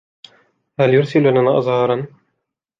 هو يرسل لنا أزهارا.